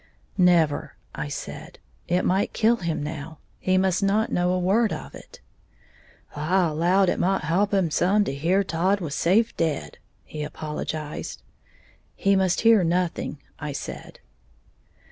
"Never!" I said, "it might kill him, now. He must not know a word of it." "I allowed it might holp him up some to hear Todd was safe dead," he apologized. "He must hear nothing," I said.